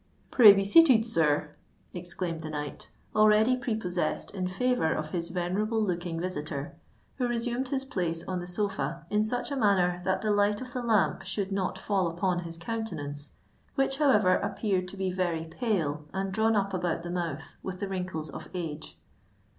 "Pray be seated, sir," exclaimed the knight, already prepossessed in favour of his venerable looking visitor, who resumed his place on the sofa in such a manner that the light of the lamp should not fall upon his countenance, which however appeared to be very pale and drawn up about the mouth with the wrinkles of age.